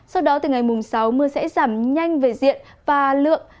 sau đó từ ngày mùng sáu mưa sẽ giảm nhanh về diện và lượng